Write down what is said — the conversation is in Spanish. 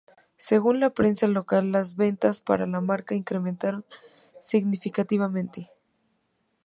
Según la prensa local, las ventas para la marca incrementaron significativamente.